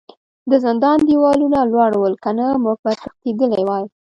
د زندان دیوالونه لوړ ول کنه موږ به تښتیدلي وای